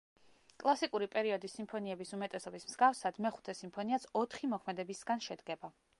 კლასიკური პერიოდის სიმფონიების უმეტესობის მსგავსად, მეხუთე სიმფონიაც ოთხი მოქმედებისგან შედგება.